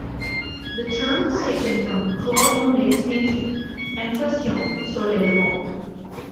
The term was taken from Claude Monet's painting "Impression: soleil levant".